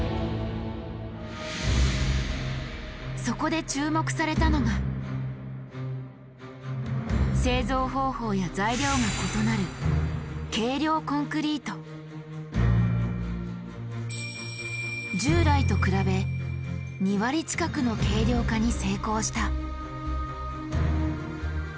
そこで注目されたのが製造方法や材料が異なる従来と比べ２割近くの軽量化に成功した。